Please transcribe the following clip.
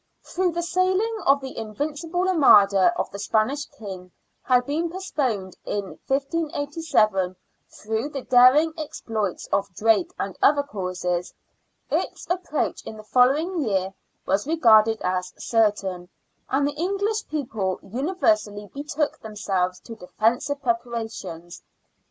Though the sailing of the " Invincible Armada " of the Spanish King had been postponed in 1587 through the daring exploits of Drake and other causes, its approach in 92 SIXTEENTH CENTURY BRISTOL. the following year was regarded as certain, and the English people universally betook themselves to defensive prepara tions.